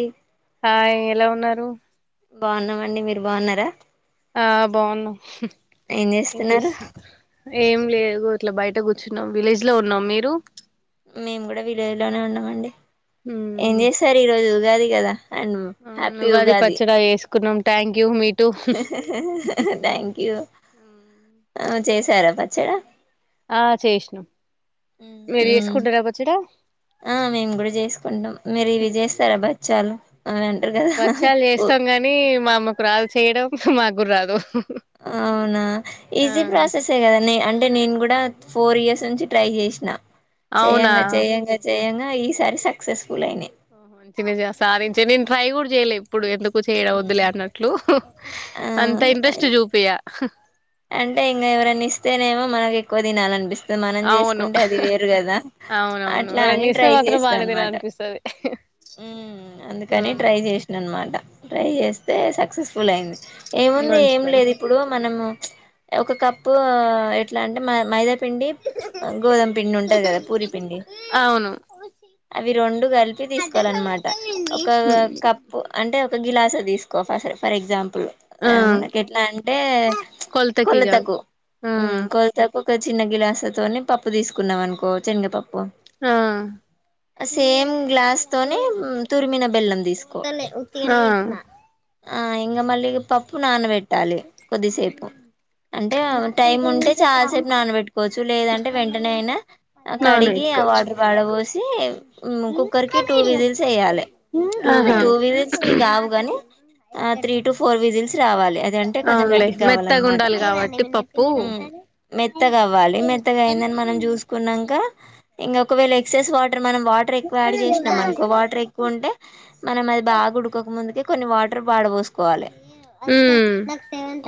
ఇ hi ఎలా ఉన్నారు బాగున్నామండి మీరు బాగున్నారా ఆ బాగున్నామ్ ఏం చేస్తున్నారు ఇంగ్లీష్ ఏం లేదు ఇట్లా బయట కూర్చున్నాం విలేజ్ లో ఉన్నాం మీరు మేము కూడా విలేజ్ లోనే ఉన్నామండి ఏం మ్మ్. చేసారు ఈ రోజు ఉగాది కదా అండ్ హ్యాపీ ఉగాది కున్నం thank you me too thank you ఆ చేశారా పచ్చడా ఆ చేసినాం మీరు చేసుకుంటారా పచ్చడా ఆ మేము కూడా చేసుకుంటాం మీరు ఇవి చేస్తారా బచ్చాలు అవి అంటారు కదా బచ్చలు చేస్తాం గాని మా అమ్మ రాదు చేయడం మాక్కూడా రాదు అవునా ఆ ఈజీ ప్రాసెసే కదండీ అంటే నేను కూడా ఫోర్ ఇయర్స్ నుంచి ట్రై చేసిన అవునా చేయంగా చేయంగా చేయ్యంగా ఈ సారి సక్సెస్ ఫులైనాయ్ సాధించావ్ నేను ట్రై కూడా చేయలే ఎప్పుడు ఎందుకు చేయడం వద్దులే అన్నట్లు అంత ఆ ఇంంట్రెస్ట్ జూపియా. స అంటే ఇంగ ఎవరన్నిస్తేనేమో, మనకు ఎక్కువ తినాలనిపిస్ తె మనం అవును చేసుకుంటే అది వేరు కదా, అవునవును అట్లా అని ఎవరన్నా ఇస్తే ట్రై మాత్రం బానే చేస్తాన్నమాట. తినాలనిపిస్తది ఉమ్, అందుకని అవును ట్రై చేసిన అనమాట. ట్రై చేస్తే సక్సెస్ఫుల్ అయింది. ఏముంది మంచి ఏం పని లేదు ఇప్పుడు మన్ ము ఒక కప్పూ ఎట్లాంటె, మై మైదా పిండి, గోధుమ పిండి ఉంటది కదా పూరి పిండి. అవును అవి రెండు కలిపి తీస్ కోవాలనమాట, ఒక కప్పు అంటే ఒక గిలాస తీసుకో ఫస్, ఫర్ ఎగ్జాంప్ ప్పు ఆ మనకెట్లా అంటే? కొలతకి కాదు కొలతకు ఆ ఉమ్, కొలతకు తొ చిన్న గిలాసతోని పప్పు తీసుకున్నాం అనుకో, చనిగపప్ ఆ అ సేమ్ గ్లాస్ కొన్ని తురిమిన బెల్లం తీసుకో. ఆ ఆ ఇంగ మళ్ళి ఇగ, పప్పు నానబెట్ ట్టాలి కొద్దిసేపు అంటే, టైం ఉంటే చాలాసేపు నానబెట్టుకొచ్చు. లేదంటే వెంటనే ఐన నాన కడిగి ఆ పెట్టుకోవచ్చు వాటర్ పాడబోసి, ఉమ్ కుక్కర్ కి టూ విజిల్స్ ఏయాలె. టూ వి ఆహా టూ విజిల్స్ కి గావు గని, త్రీ టు ఫోర్ విజిల్స్ రావాలే. అద్ లేదంటే కొంచెం అవునులే మెత్తగా గట్టిగ్గావాలన్నమాట. ఉండాలి కాబట్టి పప్పు ఉమ్ మెత్తగ అవ్వాలి, మెత్తగా అయిందని మనం చూసుకున్నాంకా ఇంగ ఒకవేళ ఎక్సైస్ వాట్ టర్ మనం వాటర్ ఎక్వ యాడ్ చేస్ మనుకో వాటర్ ఎక్కువ ఉంటే, మనం అది బాగా ఉడుకక ముందుకే కొన్ని వాటర్ ప్ పాడపోసుకోవాలె, మ్మ్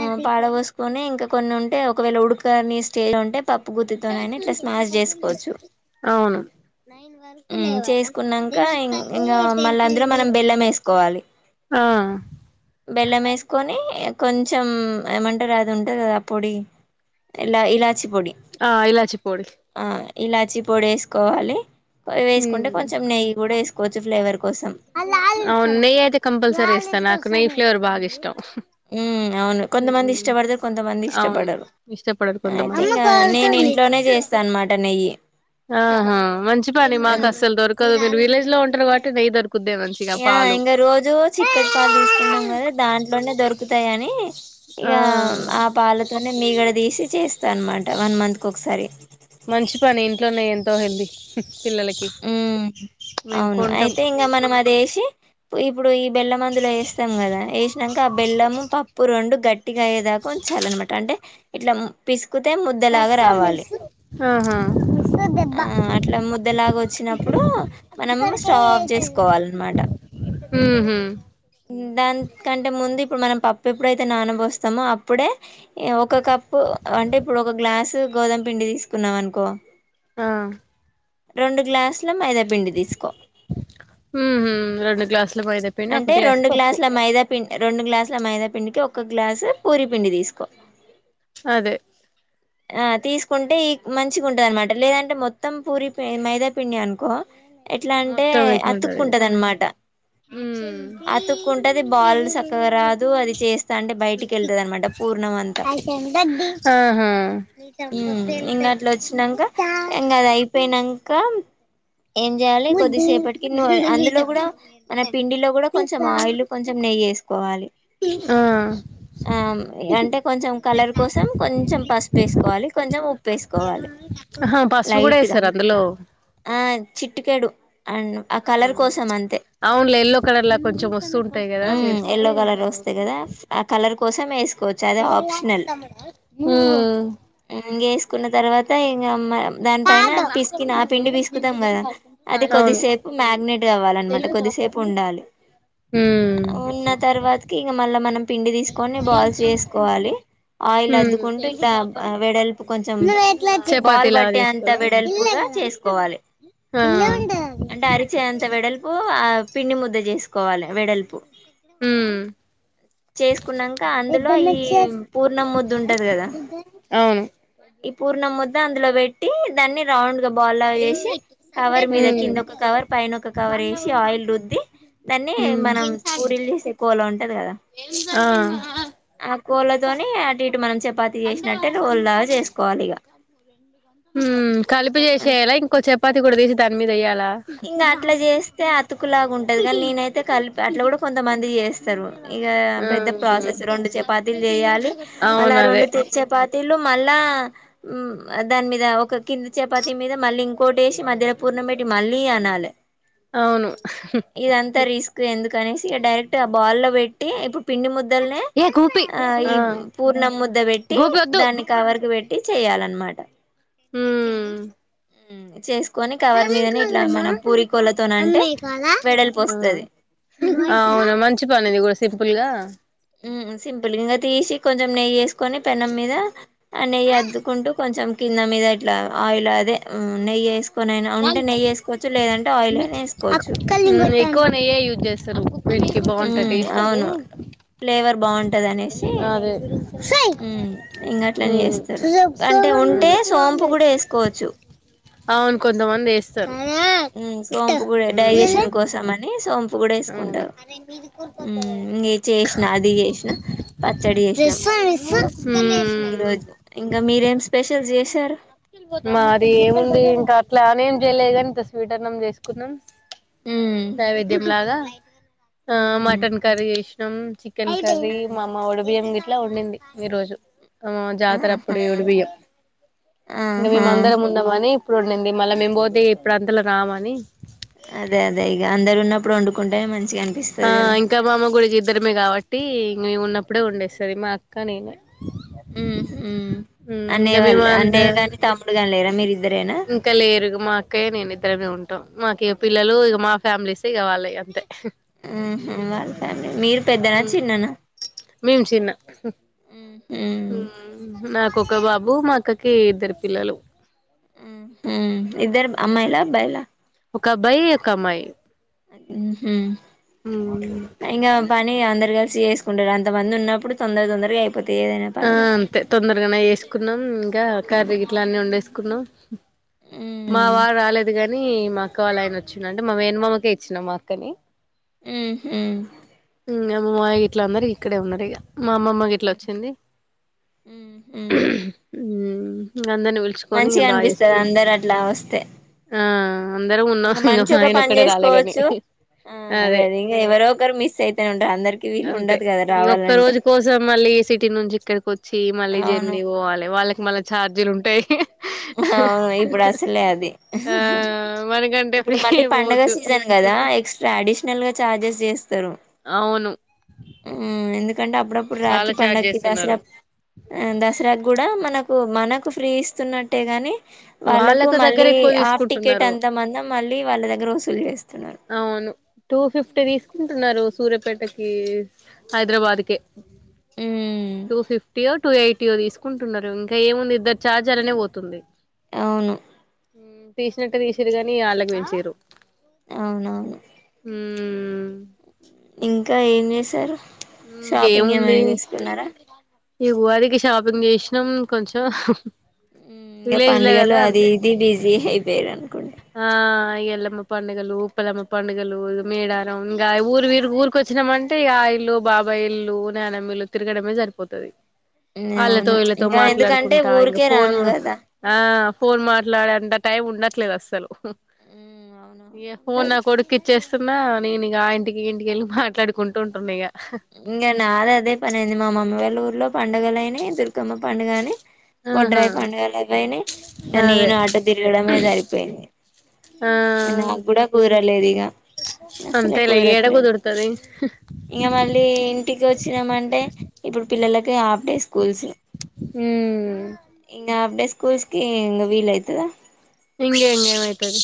ఉమ్ పాడపోసుకని ఇంక కొన్ని ఉంటే ఒక్ ఒకవేళ ఉడుకు ఇట్లా స్మాష్ చేసుకోవచ్చు అవును. కున్నంకా ఇన్ ఇంగా, మళ్ళ అందులో మనం బెల్లమేసుకోవాలి. ఆ బెల్లమేసుకొని కొన్ చెం ఏమంటరు అది ఉంటుంది కదా పొడి, ఇలా, ఇలాచ్ ఆ, ఇలాచి పోడి. ఇలాచి పొడేసుకోవాలి. కొదిగేసుకుంటే అవును, నెయ్యి అయితే కంపల్సరీ ఏస్తా. నాకు నెయి ఫు ఫ్లేవర్ బాగిష్టం. ఉ అవును కొంతమంది ఇష్టపడితే కొంతమంది అవును ఇష్టపడరు ఇష్టపడరు అయితే ఇంకా నేను కొంతమంది ఇంట్లోనే చేస్తా అనమాట నెయ్యి ఆహా మంచి పని మాకు ఉమ్, అస్సలు దొరకు మీరు విలేజ్ లో ఉంటన్నారు కాట్టి నెయ్యి దొ ఇగ ఇంకా రోజు చిక్కటి పాలు తీసుకుంటాం కదా దాంట్లోనే దొరుకుంది అంతేగాని ఇగ ఆ ఆ పాలతోనే మీగడ తీసి చేస్తా అనమాట వన్ మంత్కి ఒకసారి సో హెల్తి ఉ అవును కొంటాం అయితే ఇంకా మనం అది ఏసి ఇప్పుడు ఈ బెల్లం అందులో వేస్తాం కదా వేసినాక ఆ బెల్లం పప్పు రెండు గట్టిగా అయ్యేదాకా ఉంచాలనమాట అంటే ఇట్లా పిస్ తక్కితే ముద్దలాగా రావాలి ఆహా ఆ అట్లా ముద్దలాగా వ నప్పుడు మనం స్టవ్ ఆఫ్ చేసుకోవాలన్నమాట ఉహు దానికంటే ముందు ఇప్పుడు మనం పప్పు ఎప్పుడయితే నానబోస్తామో అప్పుడే ఏ ఓ ఒక కప్పు అంటే ఇప్పుడు ఒక గ్లాస్ గోధమ పిండి తీసుకున్నాం అనుకో ఆ రొండు గ్లాసుల మైదా పిండి తీసుకో హ్ మ్ రెం అంటే రొండు గ్లాసుల మైదా పిండి రొండు గ్లాసుల మైదా పిండికి ఒక గ్లాసు పూరి పిండి తీసుకో అదే ఆ తీసుకుంటే ఈ మంచిగా ఉంటది అన్నమాట లేదంటే మొత్తం పూరి మైదా పిండి అనుకు కో ఎట్లా అంటే మొత్తం ఎట్లుంటదేమో అతుక్కుంటదన్నమాట అతుక్కుంటది బాల్ సక్కగా రాదు అది చేస్తా అంటే బయటికి ఎళ్తది అన్నమాట పూర్ణం అంతా ఆహా హ్ ఇంకా అట్లా వచ్చినాక ఇంకా అది అయిపోయిన నంక ఏం జెయాలి కొద్దిసేపటికి నువ్వు అందులో కూడా పిండి లో గుడా కొంచం ఆయిల్ కొంచం నెయి ఏసి కోవాలి ఆ ఆ అంటే కొంచం కలర్ కోసం కొంచ కొంచం పసుపేస్కోవాలి కొంచం ఉప్ ఆ హ పసుపు గుడా వేస్తారా అందులో చిటికెడు అండ్ ఆ కలర్ కోసం అంతే ఇట్లా ఎల్లో కలర్లొ కొంచం వస్తూంటాయి కదా ఉమ్ చేస్తే దాని కోసం ఏసు హ్ కున్న తర్వాత ఇగ అమ్మన్ దాని పైన పిసికిని ఆ పిండి పిసుకుతాం కదా అది అవును కొద్దిసేపు మ్యాగ్నేట్ అవ్వాలన్నమాట కొద్దిసేపు ఉండాలి ఉమ్ ఉన్న తర్వాతకి ఇగ మళ్ళా మనం పిండి తీసుకొని బాల్స్ చేసుకోవాలి ఆయిల్ ఉమ్ అద్దుకుంటూ ఇట్లా వెడల్పు కొంచెం బాల్ చపాతీలా పట్టే అంత చేసుకోవాల వెడల్పుగా చేసుకోవాలి. ఆ ఉమ్ అవును అంటే అరిచేయ్ అంత వెడల్పు పిండి ముద్ద చేసుకోవాలె వెడల్పు చేసుకున్నక అందులో ఈ పూర్ణం ముద్ద ఉంటది కదా ఈ పూర్ణంముద్ద అందులో పెట్టి దాన్ని రౌండ్ బాల్ లాగా చేసి ఉమ్ కవర్ మీద కింద ఉమ్ ఒక కవర్ పైన ఒక కవర్ వేసి ఆయిల్ రుద్ది దాన్ని మనం పూరీలు చేసే కోలా ఉంటాది కదా ఆ ఆ కోలతోని అంటూ ఇటూ మనం చెప్ ఇక హ్మ్ కలిపి చేసేయలా ఇంకోసేపు చపాతి కూడా తీసి దాని మీద ఎయ్యాలి ఇంకా అట్లా చేస్తే అతుకు లాగా ఉం ఇగ నేనయితే కలిపి అట్లా కూడా కొంతమంది చేస్తారు ఇగ పెద్ద ప్రాసెస్ రెండు చపాతీలు చేయాలి మళ్ళ అవును అదే రెండు చపాతీలు మళ్ళా దాని మీద ఒక కింది చపాతి మీద మళ్ళీ ఇంకోటి ఎసీ మధ్యలో పూర్ణం బెట్టి మళ్ళీ అనాలే అవును ఇదంతా రిస్క్ ఎందుకనేసి ఇక డైరెక్ట్ గా ఆ బాల్లో పెట్టి పిండి ముద్దనే ఏ గోపి ఆ ఈ పూర్ణం ముద్ద పెట్టి గోపి వద్దు దాన్ని కవర్కి పెట్టి టి చేయాలన్నమాట మ్మ్ ఉ చేసుక్ అ అంటే వెడల్పు వస్తది అవునా మంచి పని ఇది కూడా సింపుల్గా సింపుల్ ఇంకా తీసి కొంచం నెయ్యి ఏసి కొని పెనం మీద ఆ నెయ్యి అద్దుకుంటూ కొంచెం కింద మీద ఇట్లా ఆయిల్ అదే నెయ్యి ఎస్ కొనైనా ఉంటే నెయ్యి ఎసుకోవచ్చు లేదంటే ఆయిల్ అయిన వేసుకోవచ్చు ఏఐ యూజ్ చేస్తారు వెనకి బాగుంటాది టేస్ట్ అని అవును ఫ్లేవర్ బాగుంటది అనేసి అదే ఉ ఇంగ అట్లనే చేస్తారు అదే అంటే ఉంటే సోంపు కూడా వేసుకోవచ్చు అవును కొంతమంది వేస్తారు సోంపు కూడా డైజెషన్ కోసం అని నీ సోంప్ ఇంగ ఇది చేసిన అది చేసిన ఉహు ఈ రోజు ఇంకా మీరేం స్పెషల్ చేసి తరు మరి ఏముంది ఇంకా అట్లా అని ఏం చేయలేదు కానీ ఇంత స్వీట్ అన్నం చేసుకున్నాం మ్మ్ నైవేద్యంలాగా ఆ మ్మ్ మటన్ కర్రీ ఇష్ నమ్ చి ఒక్క కది ఆ మామ ఒడిబియ్యం ఇట్లా ఉండింది ఈ రోజు ఆ ఆహా జాతర అప్పుడు ఒడిబియ్యం ఇగా ఆహా మేమందరం ఉన్నాం అ ఇప్పుడు ఉండుంది మళ్ళీ మేము పోతే ఇప్పుడు అంతలో రామని అదే అదే ఇగ అందరు ఉన్నప్పుడు వండుకుంటే మంచి ఆ ఇంకా మామ గుడికి ఇద్దరమే కాబట్టి ఉన్నప్పుడే ఉండేస్తుంది మా అక్క నేను ఉహు అనే ఇంకా మేము వాళ్ళు అంత అన్నయ్య కాని తమ్ముడు కాని లేరా మిరి ఇంకా లేరుగు మా అక్కయ నేను ఇద్దరమే ఉన్ మాకి పిల్లలు ఇగ మా ఫ్యామిలీస్ కావాలి అంతే ఆ వాళ్ళ ఫ్యామిలీ మీరు పెద్దనా చిన్ననా ఉ ఉహు నాకు ఒక ఒక్క బాబు మా అక్కకి ఇద్దరు పిల్లలు ఇద్దరు అమ్మాయిలా, అబ్బాయిలా ఒక అబ్బాయి ఒక అమ్మాయి ఉహు ఇంగా పని అందరు కలిసి చేసుకుంటరు అంత మంది ఉన్నప్పుడు తొందర తొందరగా అయి ఆ అంతే తొందరగానే చేసుకున్నాం ఇంకా కర్రి ఉమ్ గిట్లా అన్నీ వండేసు కున్నం మా వారు రాలేదు కని అక్క వాళ్ళ ఆయన వచ్చి అంటే మా మేనమామకే ఇచ్చినాం మా అక్కని హు హు మా మామయ్య గిట్ల అందరు ఈ ఇక్కడే ఉన్నారు ఇగ మా అమమ్మకి గిట్ల అచ్చింది ఉ ఉ మంచిగా అనిపిస్తది అందరు అట్లా వస్తే ఆ అందరం ఉన్నాం ఇంకా ఇంక మా మంచోక ఒక ఆయన పని ఒక్కడే రాలేగాని చేసుకోవచ్చు ఆ అదే అది ఇంకా ఎవరో ఒకరు మిస్ అయితనే ఉంటారు అందరికి వీలు అంతే ఉండదు కదా ఈ రావాలంటే ఇడ కొచ్చి మళ్ళీ అవును జర్నీ వోవాలే వాళ్ళకి మళ్ళ ఛార్జీలు ఉంటయి అవును ఇప్పుడు అసలే అది ఆ మనకంటే ఇప్పుడు ఫ్రీ మళ్ళీ పండుగ పోవచ్చు సీజన్ కదా ఎక్స్ట్రా అడిషనల్ గా చార్జెస్ చేస్తారు అవును కంటే అప్పుడప్పుడు చాలా రాకీ చార్జ్ పండక్కి దసర చేస్తున్నారు అప్ ఆ దసరాకు కూడా మనకు మనకు ఫ్రీ ఇస్తున్నట్టే కని వాళ్ళకు దగ్గర మళ్ళీ ఎక్కువ హాఫ్ టికెట్ తీసుకుంటున్నారు అం మళ్ళీ వాళ్ళ దగ్గర వసూలు చేస్ అవును టూ ఫిఫ్టీ తీసుకుంటున్నరు సూర్యపేటకి హైదరాబాద్ కె మ్మ్ టు ఫిఫ్టీ యో టు ఎయి టియో తీసుకుంటున్నరు ఇంకా ఏముంది ఇద్దరు ఛార్జ్ అల్లనే పోతుంది అవును తీసినట్టే తీసిరుకని అల్లకు పెంచిరు అవునవును ఉ ఇంకా ఏం చేసారు ఇంకేముంది ఈ ఉగాదికి షాపింగ్ చేసినాం కొంచెం ఇంకా విలేజ్ లో కదా పండుగలు అది అంతే ఇది బిజీ అయిపోయారు అనుకోండి ఆ ఎల్లమ్మ పండుగలు ఉప్పలమ్మ పండుగలు, మేడారం ఇంకా ఊరు వేర్ ఊరికొచ్చినామంటే ఆ ఇల్లు బాబాయిల్లు, నానమిల్లు తిరగడమే సరిపోతది వాళ్ళతో అవును వీళ్ళతో ఇంకా ఎందుకంటే మాట్లాడుకుంటా ఇంకా ఊరికే ఫోను రాము కదా ఆ ఫోన్ మాట్లాడెంత టైం ఉండట్లేదు అస్సలు ఇగ అవునవును ఫోనా ఉండదు కొడుకిచ్చెస్ తున్నా నేను ఇగ ఆ ఇంటికి ఈ ఇంటికెళ్ళి మాట్లాడుకుంటూ ఉంటున్న ఇక ఇంక నాదదే పనే ఉంది మా మమ్మీ వాళ్ళూర్లో పండగలైనాయ్ దుర్గమ్మ పండుగని ఆహా బొడ్రాయి పండుగలు అయిపోయినాయ్ అదే నేను ఆట తిరగడమే సరిపోయింది అ నా క్కూడ కుదరలేదు ఇగ అసలే అంతేలే ఏడ కుదరట్లేదు కుదురుతది ఇక మళ్ళీ ఇంటికి వచ్చినామంటే ఇప్పుడు పిల్లలకి హాఫ్ డే స్కూల్స్ మ్మ్ కూస్కి ఇంక వీలయితదా ఇంకేమ్ ఏమైతది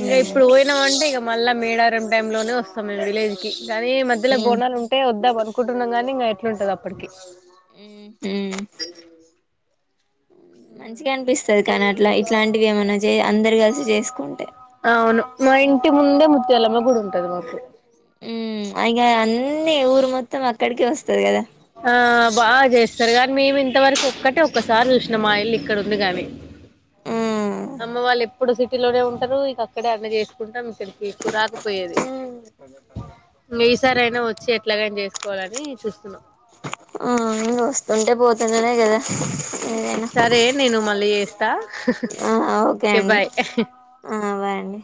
ఇంక ఇప్పుడు పోయినావంటే ఇగ మళ్ళా మేడారం టైమ్ లోనే వస్తామ్ మేమ్ విలేజ్కి కానీ మధ్యలో బోనాలు ఉంటే వద్దాం అను నుకుంటున్నాం కానీ ఇంకా ఎట్లుంటదో అప్పటికి హ్మ్ హ్మ్ మ్మ్ మం చే అందరు కలిసి చేసుకుంటే అవును మా ఇంటి ముందే ముత్యాలమ్మ గుడి ఉం మ్మ్ అయి ఇకా అన్నీ ఊరు మొత్తం అక్కడికే వస్తా స్తది గదా ఆ బాగా చేస్తారు కానీ మేము ఇంతవరకు ఒక్కటే ఒక్కసారి చూసినాం మాఇల్లు ఇక్కడ ఉంది గాని అమ్మ వాళ్ళు ఎప్పుడు సిటీలోనే ఉంటరు ఇక అక్కడే అన్ని చేస్ కుంటామ్ ఇక్కడికి ఎక్కు రాకపోయేది ఈసారైనా వచ్చి ఎట్లాగైనా చేసుకో కోవాలని చూస్తున్నాం ఆ వస్తుంటే పోతుంటేనే కదా ఏదైనా సరే నేను మళ్ళీ చేస్తా ఆ ఓకే అండి బాయ్ ఆ బాయ్ అండి